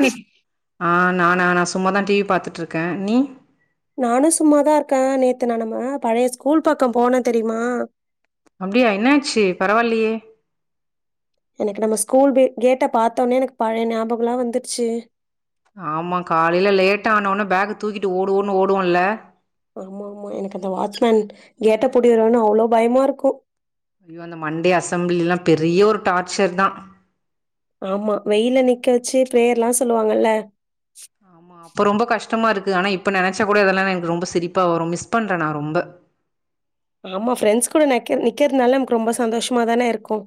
Click ஆஹ் நானா நான் சும்மாதான் டிவி பாத்துட்டு இருக்கேன் நீ நானும் சும்மாதான் இருக்கேன் நேத்து ந நம்ம பழைய ஸ்கூல் பக்கம் போனே தெரியுமா அப்படியா என்ன ஆச்சு பரவாயில்லையே எனக்கு நம்ம ஸ்கூல் கேட்ட பாார்த்தோனே எனக்கு பழைய ஞாபகா வந்துருச்சு ஆமா காலையில லேட்டா ஆன உடன பேக்கு தூக்கிட்டு ஓடுவோன்னு ஓடுவோம்ல்ல ஆமா ஆமா எனக்கு அந்த வாட்ச்மேன் கேட்ட புடிறோன்னு அவ்ளோ பயமா இருக்கும் ஐயோ அந்த மண்டே அசம்பள எல்லாம் பெரிய ஒரு டார்ச்சர் தான் ஆமா வெயில நிக்கச்சு பிரேயர்ல்லாம் சொல்லுவாங்கல அப்ப ரொம்பஷ்டமா இருக்கு ஆன இப்ப நினைச்ச கூட அதெல்லாம் எனக்கு ரொம்ப திரிப்பா வரும் மிஸ் பண்றேண்ணா ரொம்ப ஆமா ஃப்ரெண்ட்ஸ் கூட நிக்கிறதுனால நமக்கு ரொம்ப சந்தோஷமாதானே இருக்கும்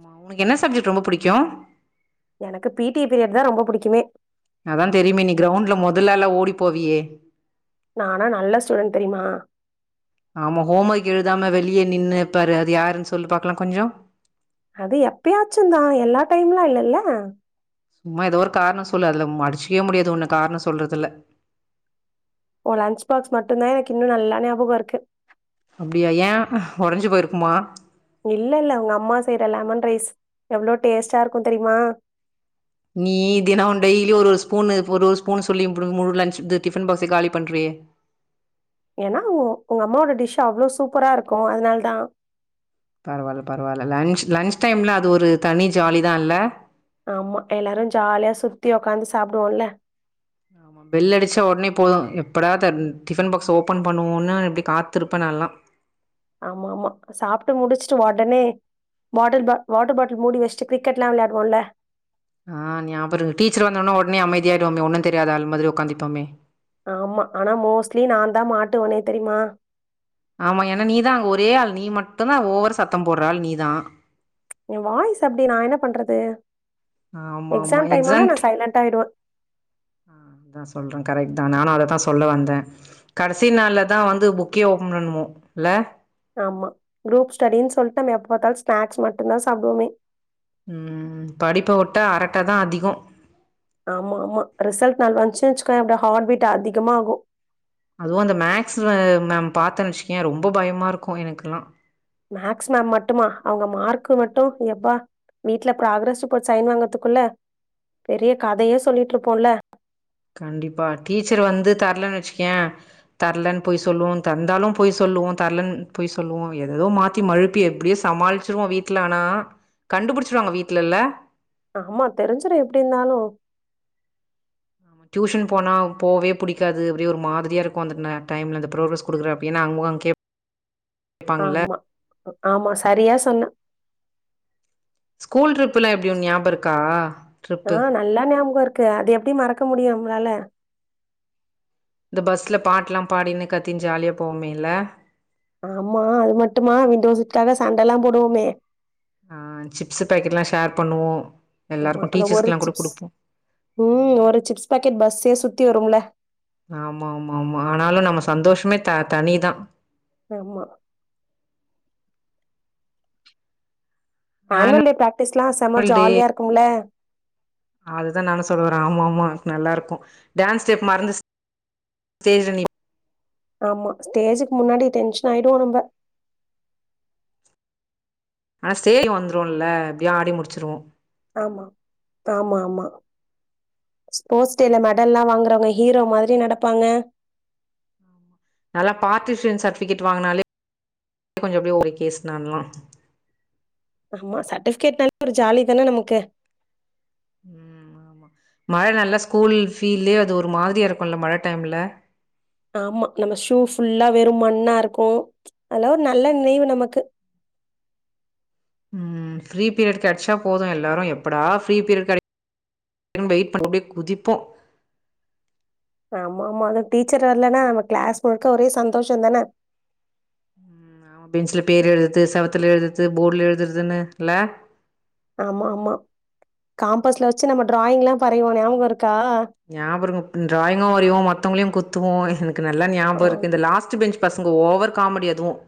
ஆமா உனக்கு என்ன சப்ஜெக்ட் ரொம்ப பிடிக்கும் எனக்கு பிடி பீரியட் தான் ரொம்ப புடிக்குமே அதான் தெரியுமே நீ கிரவுண்ட்ல முதல்ல எல்லாம் ஓடி போவியே நானா நல்ல ஸ்டூடன் தெரியுமா வெளியே நின்னுப்பாரு அது யாருன்னு சொல்லி பார்க்கலாம் கொஞ்சம் அது எப்பயாச்சும்ந்தான் எல்லா டைம்லாம் இல்லல்ல சும்மா ஏதோ ஒரு காரணம் சொல்லு அதுல மடிச்சக்கவே முடியாது உன்னு காரணம் சொல்றதுல ஓ லன்ச பாக்ஸ் மட்டும் தான் எனக்கு இன்னும் நல்லா ஞாபகம் இருக்கு அப்படியா ஏன் உடஞ்சு போயிருக்குமா இல்ல இல்ல உங்க அம்மா செய்யற லெமன் ரைஸ் எவ்வளவு டேஸ்ட்டா இருக்கும் தெரியுமா நீ தினம் டெய்லி ஒரு ஸ்பூன்ன ஒரு ஒரு ஸ்பூன்ன சொல்லி மு முலன் டிஃபன் பாக்ஸ காலி பண்ற ஏன்னா உங்க அம்மாவோட டிஷ் அவ்வளோ சூப்பரா இருக்கும் அதனால தான் பரவாயில்ல பரவாயில்ல லன்ச் லன்ச் டைம்ல அது ஒரு தனி ஜாலிதான் இல்ல ஆமா எல்லாரும் ஜாலியா சுத்தி உக்காந்து சாப்புடுவோம்ல ஆமா பெல் அடிச்சா உடனே போதும் எப்படா டிஃபன் பாக்ஸ் ஓபன் பண்ணுவோன்னனு எப்படி காத்துருப்பேன் நல்லாம் ஆமா ஆமா சாப்பிட்டு முடிச்சுட்டு உடனே பாட்டில் பா வாட்டர் பாட்டில் மூடி வச்சுட்டு கிரிக்கெட் எல்லாம் விளையாடுவோம்ல ஆஹ் ஞாபம் டீச்சர் வந்த உடன உடனே அமைதியா ஆயிடுவோமே ஒன்னும் தெரியாது ஆள் மாதிரி உக்காந்தப்போமே ஆமா ஆனா மோஸ்ட்லி நான் தான் மாட்டுவனே தெரியுமா ஆமா ஏன்னா நீதான் அங்க ஒரே ஆள் நீ மட்டும் தான் ஓவர்ரு சத்தம் போடுற ஆள் நீதான் என் வாய்ஸ் அப்படடி நான் என்ன பண்றது ஆமா ஆமா எக்ஸாம் டைம்னா நான் சைலன்ட ஆயுடுவேன் சொல்றேன் கரெக்ட் தான் நானும் அததான் சொல்ல வந்தேன் கடைசி நாள்ல தான் வந்து புக்கே ஓபன் பண்ணுவோம் இல்ல ஆமா குரூப் ஸ்டடின்னு சொல்லிட்டு நம் எ பார்த்தால ஸ்நாக்ஸ் மட்டும்தான் சாப்படுமே உம் படிப்ப வுட்ட அரட்டாதான் அதிகம் ஆமா ஆமா ரிசல்ட் நாள் வந்துச்சு னா வச்சுக்கோயேன் ஹாட்பீட் அதிகமாகும் அதுவும் அந்த மேக்ஸ் மேம் பார்த்தேன் வச்சிக்கோயேன் ரொம்ப பயமா இருக்கும் எனக்குெல்லாம் மேக்ஸ் மேம் மட்டுமா அவங்க மார்க்கு மட்டும் எப்பா வீட்ல ப்ராகரஸ் ரிப்போர்ட் சைன் வாங்கறதுக்குள்ள பெரிய கதையே சொல்லிட்டு இருப்போம்ல கண்டிப்பா டீச்சர் வந்து தரலன்னு வச்சுக்கேன் தரலன்னு பொய் சொல்லுவோம் தந்தாலும் பொய் சொல்லுவோம் தரலன்னு பொய் சொல்லுவோம் எததோ மாத்தி மழுப்பி எப்டியே சமாளிச்சிருவோம் வீட்டுல ஆனா கண்டுபிடிச்சிருவாங்க வீட்டுலல்ல ஆமா தெரிஞ்சுரும் எப்டி இருந்தாலும் டியூஷன் போனால போகவே பிடிக்காது அப்டியே மாரிய இருக்கும் அந்த டைமில் அந்த ப்ரோக்ரஸ் கொடுக்குறே அப்டின்னா அங்கேங்கக அங்கேட கேப்பாங்கல ஆமா. ஆமா சரியா சொன்ன ஸ்கூல் ட்ரிப்பில் எப்படி ஞாபகம்க்கா ஆ நல்லா ஞாபகம் இரு அது எப்படி மறக்க முடியும் நம்ளால இந்த பஸ்ல பாட்டு எல்லாம் பாடின்னு கத்தின்னு ஜாலியா போமே இல்ல ஆமா அது மட்டுமா விண்டோசட்டு்காக சண்டைல்லாம் போடுவோமே ஆஹ் சிப்ஸு பேக்கெட் எல்லாம் ஷேர் பண்ணுவோம் ஆமா அந்த ஒரு சிப்ஸ் உம் ம் ஒரு சிப்ஸ் பாக்கெட் பஸே சுத்தும் சுத்தி வரும்ல ஆமா ஆமா ஆமா ஆனாலும் நம்ம சந்தோஷமே த தனிதான் ஆமா ஆனுவல் ஆனுவல்டே பிராக்டிஸ் எல்லாம் செம்ம ஜாலியா இருக்கும்ல அதுதான் நானு சொல்லவறேன் ஆமா ஆமா நல்லாருக்கும் டான்ஸ் ஸ்டெப் மறந்துச்சுனா ஸ்டஏஜ்ல நீ ஆமா ஸ்டேஜுக்கு முன்னாடி டென்ஷன் ஆயிடுவோம் நம்ம ஆனா ஸ்டேஜ் வந்துரோம்ல எப்டியோ ஆடி முடிச்சிருவோம் ஆமா ஆமா ஆமா ஸ்போர்ட்ஸ் டேல மெடல்லல்லாம் வாங்குறவங்க ஹீரோ மாரி நடப்பாங்க நல்லா பார்டசரன்ஸ் சர்டிபிகேட் வாங்கினாலே கொஞ்சம் அப்படியே ஒரு கேஸ் நான்லாம் ஆமா சர்ட்டிபிகேட் நல்ல ஒரு ஜாலி தானே நமக்கு உம் ஆமா மழ நல்லா ஸ்கூல் ஃபீல்யே அது ஒரு மாதிரியா இருக்கும்ல்ல மழ டைம்ல ஆமா நம்ம ஷூ ஃபுல்லா வெறும் மண்ணா இருக்கும் அதல்லாம் ஒரு நல்ல நினைவு நமக்கு ம் ஃப்ரீ பீரியட கிச்சா போதும் எல்லாரும் எப்படா ஃப்ரீ பீரியட வெயிட் பண்ணி குதிப்போம் ஆமா ஆமா அதுக்கு டீச்சர் வரலன்னா நம்ம கிளாஸ் முழுக்க ஒரே சந்தோஷம் தானே ஆ பெஞ்சுல பேர் எழுது செவத்துல எழுது போர்டுல எழுதுறதுன்னு இல்ல ஆமா ஆமா காம்பஸ்ல வச்சு நம்ம டிராயிங் எல்லாம் வரைவோம்ல நியாபகம் இருக்கா ஞாபம் இருக்கு டிராயிங்கும் வரைவோம் மத்தவங்களையும் குத்து கத்துவம் எனக்கு நல்லா ஞாபம் ஆ இருக்கு இந்த லாஸ்ட் பெஞ்ச் பசங்க ஓவர் காமெடி அதுவும்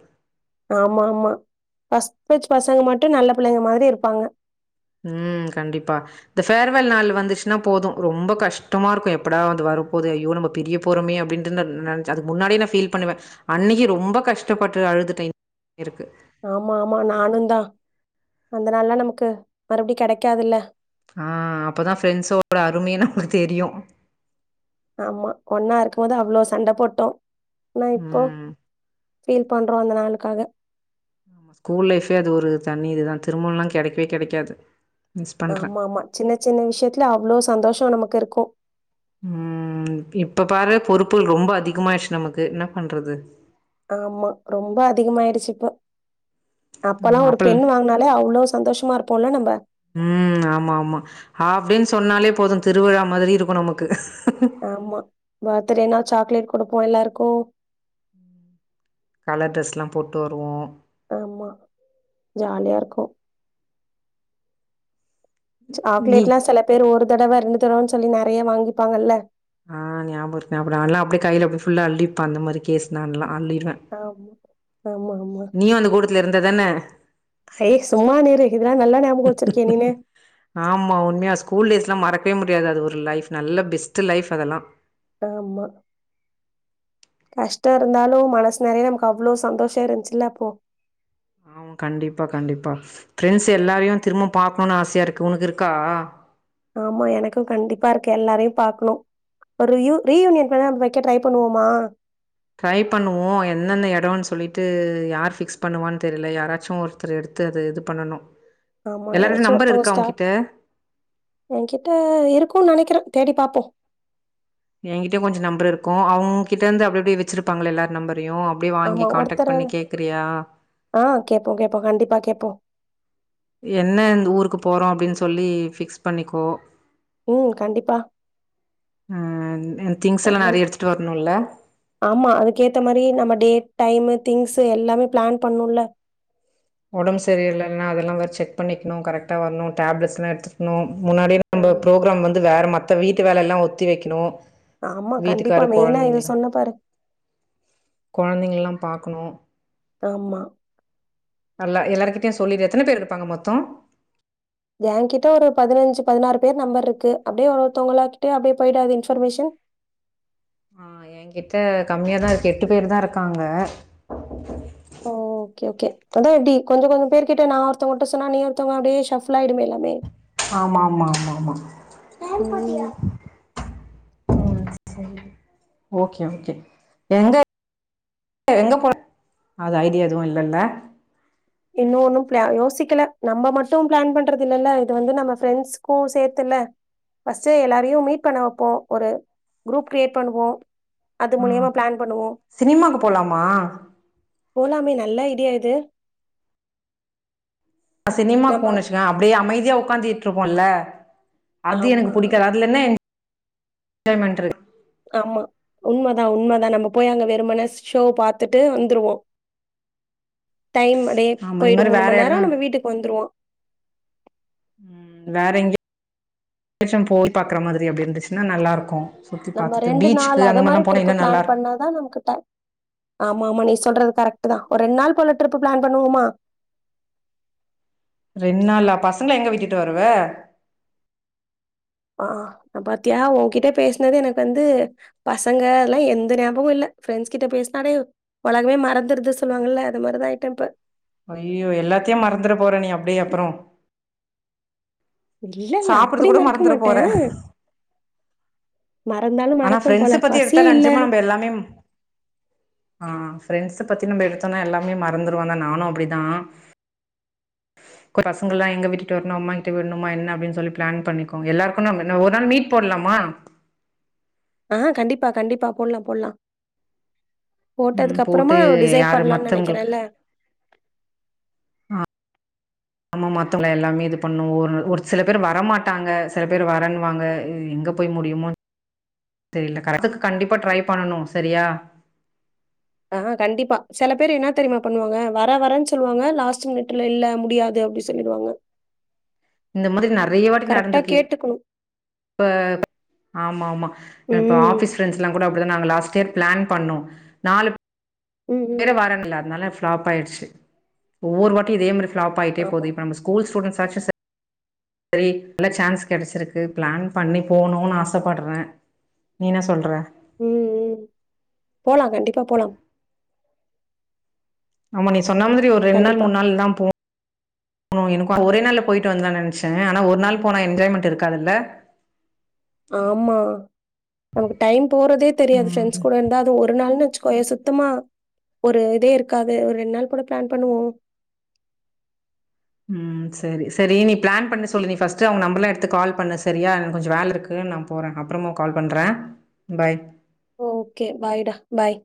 ஆமா ஆமா பஸ்ட் பேஜ் பசங்க மட்டும் நல்ல புள்ளைங்க மாரி இருப்பாங்க ம் கண்டிப்பா இந்த ஃபேர்வெல் நாள் வந்துச்சுன்னா போதும் ரொம்ப கஷ்டமா இருக்கும் எப்படா வந்து வரபோது ஐயோ நம்ம பெரிய போறமே அப்டின்ட்டு ந நின அதுக்கு முன்னாடியே நான் ஃபீல் பண்ணுவேன் அன்னைக்கு ரொம்ப கஷ்டப்பட்டு அழுது ட்டேன் இருக்கு ஆமா ஆமா நானும் தான் அந்த நாள்ல்லாம் நமக்கு மறுபடி க கெடைக்காதுல்ல ஆ அப்தான் ஃப்ரெண்ட்ஸோட அருமையே நமளுக்கு தெரியும் ஆமா ஒன்னா இருக்கும் போது அவ்ளோ சண்ட போட்டோம் நான் இப்போ ம். ஃபீல் பண்றோம் அந்த நாளுக்காக ஸ்கூல் லைஃபே அது ஒரு தண்ணி இதுதான் திருமலாம் கெடைக்கவே கெடைக்காது மிஸ் பண்றே ஆமா ஆமா சின்ன சின்ன விஷயத்துல அவ்வளவு சந்தோஷம் நமக்கு இருக்கு இருக்கும் உம் இப்ப பாரு பொறுப்புகள் ரொம்ப அதிகமாய்டுச்சு நமக்கு என்ன பண்றது ஆமா ரொம்ப அதிகமாயிடுச்சுப்ப ஆ அப்பள் சந்தோஷமா இருப்போம்ல நம்ப. ம் ஆமா ஆமா ஆப்டே சொன்னாலே போதும் திருவிழா மாரி இருக்கும் நமக்கு ஆமா பர்த்றேனா சாக்லேட் கொடுப்போம் எல்லாருக்கும் கலர் ட்ரெஸ்லாம் போட்டு வருவோம் ஆமா ஜாலியா இருக்கும் நீ சாக்லேட் எல்லாம் சில பேர் ஒ தடவை இரண்டு தடவனு சொல்லி நெறைய வாங்கிப்பாங்கல்ல ஆ ஞாபகருக்கு ஞாபகமிருக்கு அதுல அப்டி கையில ஃஉள்ள எழுதிர்ப்போம் அந்தமாரி கேசுலாந்தா ஆமா ஆமா, நீயும் அந்த கூட்டத்து இருந் ததான சரி சும்மானு இரு இதெல்லாம் நல்லா ஞாபகம் வச்சிருக்கியே நீனு ஆமா உண்மையா ஸ்கூல் [inaudible] முடியாது அது ஒரு லைப் நல்ல பெஸ்ட் லைஃப் அதெல்லாம் ஆமா கஷ்டம் இருந்தாலும் மனசு நிறைய நமக்கு அவ்வளவு சந்தோஷம் இருந்துச்சுல அப்போ ஆமா கண்டிப்பா கண்டிப்பா பிரெண்ட்ஸ் எல்லாரையும் திரும்ப பாக்கணும்னு ஆசையா இருக்கு உனக்கு இருக்கா ஆமா எனக்கும் கண்டிப்பா இருக்கு எல்லாரையும் பாக்கணும் ஒரு ரீயு ரீயூனியன் வேணா வைக்க ட்ரை பண்ணுவோமா ட்ரை பண்ணுவோம் என்னென்ன இடம்ன்னு சொல்லிட்டு யார் பிக்ஸ் பண்ணுவான்னு தெரியல யாராச்சும் ஒருத்தர் எடுத்து அத இது பண்ணனும் ஆமா ஏதாச்சும் ஒருத்தவங்க ஸ்டார்ட் என்கிட்ட அ இருக்கும் நினைக்கிறேன் தேடி பார்ப்போம் என்கிட்டயும் கொஞ்சம் நம்பர் இருக்கும் அவங்ககிட்ட இருந்து அப்டி எப்டி வச்சிருப்பாங்கள எல்லாரும் நம்பர் ஆமா ஒருத்தரை ஆஹ் கேட்போம் கேட்போம் கண்டிப்பா கேட்போம் என்ன இந்த ஊருக்கு போறோம் அப்டின்னு சொல்லி பிக்ஸ் பண்ணிக்கோ உம் கண்டிப்பா ம் திங்ஸ் எல்லா எங்க நெறைய எடுத்துட்டு வரணுல்ல ஆமா அதுக்கேத்த மாதிரி நம்ம டேட் டைமு திங்க்ஸ்சு எல்லாமே பிளான் பண்ணணும்ல உடம்பு சரியில்லன்னா அதெல்லாம் வேற செக் பண்ணிக்கனு கரெக்ட வரணும் டேப்லெட்ஸ்லா எடுத்துக்கணும் முன்னாடிய நம்ம ஆமா, ப்ரோக்ராம் வந்து வேற மா மத்த வீட்டு வேலையெல்லாம் ஒத்தி வைக்கணும் ஆமா கண்டிப்பா வீட்டுக்காரு மெயினா இது கொழந்தைங்கள சொன்ன பாாரு கெழந்தைங்கள்லாம் பாக்கணும் ஆமா அல்ல எல்லார்கிட்டயும் சொல்லிடு எத்தனை பேர் இருப்பாங்க மொத்தம் ஏன் கிட்ட ஒரு பதினஞ்சு பதினாறு பேர் நம்பர் இருக்கு அப்டியே ஒருத்தவங்களா கிட்ட அப்டியேய் போயிடாது இன்ஃபர்மேஷன் ஹா என்கிட்ட கம்மியாதான் இருக்கு எட்டு பேரு தா இருக்காங்க ஓகே-ஓகே அதான் எப்படி கொஞ்ச- கொஞ்ச பேர் கிட்ட நான் ஒருத்தவங்கிட்ட சொன்னா நீ ஒருத்தங்க அப்டியே ஷாஃபிளாய்டும் ஆமா ஆமா ஆமா ம். ஆமாஆமா ஓகே ஓகே எங்க எங்க போறது ஐடியா எதுவும் இல்லலா இன்னும் ஒன்னும் பிள யோசிக்குனு நம்ம மட்டும் பிளான் பண்றது இல்லல்ல இது வந்து நம்ம ஃப்ரெண்ட்ஸ்க்கும் சேத்துல பர்ஸ்ட் எல்லாரையும் மீட் பண்ண வைப்போம் ஒரு குரூப் கிரியேட் பண்ணுவோம் அது ஆ மூலியமா பிளான் பண்ணுவோ சினிமாக்கு போலாமா போலாமே ந இல்லா இடியா இது சினிமாக்கு நம்ம போனுசின்னா அப்டியே அமைதி இங்கே உக்காந்திட்டுருக்கோல்ல அது ஆமா எனக்கு பிடிக்காது அதுல என்ன என என்ஜாய்மென்ட் இருக் ஆமா உண்மைதா உண்மைதா நம்ம போய் அங்க வெறுமன ஷோ பாத்துட்டு வந்துருவோம் டைமு அப்டியே ஆமா இது போயிடும் மாரி வேற மூணுமணி எடம் நேரம் வீட்டுக்கு வந்துடுவோம் வேற எங்கயா ஆச்சும் போய் சுத்தி பாக்குற மாதிரி அப்புடி இருந்துச்சுன்னா நல்ல இருக்கும் சுத்தி நம்ம பாத்துட்டு ரெண்டு நாள் பீச்சுக்கு அத அந்த மாரி மாதிரிலா போனா ட்ரிப்பு இன்னு நல்லா பிளான் இருக் பண்ணாதா நமக்கு டை ஆமா ஆமா நீ சொல்றது கரெக்ட்டு தான் ஒரு ரெண்டு நாள் போல ட்ரிப்பு பிளான் பண்ணுவோமா ரெண்டு நாளா பசங்க எங்க விட்டுட்டு வருவ ஹா பாத்தியா உங்ககிட்ட பேசினது எனக்கு வந்து பசங்க அதெல்லாம் எந்த ஞாபமும் இல்ல ப்ரெண்ட்ஸ் கிட்ட பேசுனலே உலகமே மறந்துருது சொல்லுவாங்கல்ல அது மாதிரிதான் ஆய்டே இப்ப ஐய்யயோ எல்லாத்தையும் மறந்துட போற நீ அப்டியே அப்புறம் இல்ல இல்ல அப்டி கூட மறக்க மறந்துற மாட்டே போற மறந்தாலு ஆனா மறப்பே போல. பிரண்ட்ஸ பத்தி பசியே எடுத்த இல்ல. அஞ்சும நம் எல்லாமே ஹ பிரண்ட்ஸ் பத்தி நம் எடுத்தோமனா எல்லாமே மறந்துருவத நானும் அப்டிதான் பசங்க எல்லாம் எங்க வீட்டுரணும் அம்மா கிட்ட விடணுமா என்ன அப்டின்னு சொல்லி பிளான் பண்ணிக்கோங்க எல்லாருக்கும் ஒரு நாள் மீட் போடலாமா ஹா கண்டிப்பா கண்டிப்பா போடுலாம்-போடுலாம் ம் போட்டதுக்கு அப்புறமா போட்டு டிசைட் யாரு பண்ணலாம்னு மத்தவங்களுக்கு நெனைக்கிறேன்ல்ல அம்ம மாத்தவங்கள எல்லாமே இது பண்ணும் ஒரு-ஒரு சில பேர் வரமாட்டாங்க சில பேர் வரன்னுவாங்க எங்க போய் முடியுமோ தெரியல கரத்துக்கு கண்டிப்பா ட்ரை பண்ணனும் செரியா ஹா கண்டிப்பா சில பேரு என்ன தெரியுமா பண்ணுவாங்க வர வரேன்னு சொல்லுவாங்க லாஸ்ட் மினிட்ல இல்ல முடியாது அப்டி சொல்லுவாங்க இந்த மாதிரி நறைய வாட்டி நடந்திருக்கு கேட்டுக்கணு. இப்ப ஆமா-ஆமா இப்ப ம். ஆபிஸ் பிரண்ட்ஸ் எல்லா கூட இங்க நாங்க லாஸ்ட் இயர் பிளான் பண்ணோம் நாலு ம் ம். வேல வாரங்கள அதுனால ஃப்ளாப் ஆயிடுச்சு ஒவ்வொரு வாட்டியும் இதேம ஃப்ளாப் ஆயிட்டே போது ஆமா. இப்ப நம ஸ்கூல் ஸ்சுடன்ஸ் ஏதாச்சு சரி நல்ல சான்ஸ் கிடச்சிருக்கு பிளான் பண்ணி போணும்னு ஆசைப்படுறேன் நீ என்ன சொல்ற உம் உம் போலா கண்டிப்பா போலாம் உள்ளங்கே சொன்ன மாதிரி ஒரு ரெண்டு நாள் கண்டிப்பா. மூணு நாள் தா போகு எனக்கும் ஒரே நாள்ல போயிட்டு வந்தலான் நெனைச்சேன் ஆனா ஒரு நாள் போனா என்ஜாய்மெண்டட் இருக்காதுல்ல ஆமா நமக்கு டைம் போறதே தெரியாது ஃப்ரெண்ட்ஸ் ம் கூட இருந்தா அது ஒரு நாள் நாச்சும் கொய சுத்தமா ஒரு இதே இருக்காது ஒரு ரெண்ட் நாள் போல பிளான் பண்ணுவோம் ம் சரி சரி நீ பிளான் பண்ணி சொல்லு நீ ஃபஸ்ட்டு அவங்க நம்பர்லாம் எடுத்து கால் பண்ணு சரியா எனக்கு கொஞ்சோம் வேல இருக்கு நான் போறேன் அப்புறமா கால் பண்றேன் பாய் ஓகே பாய்டா பாய்